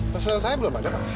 terserah saya belum ada pak